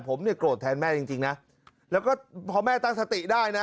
ผมเนี่ยโกรธแทนแม่จริงจริงนะแล้วก็พอแม่ตั้งสติได้นะ